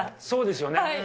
そうですよね。